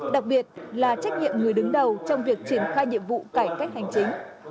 đặc biệt là trách nhiệm người đứng đầu trong việc triển khai nhiệm vụ cải cách hành chính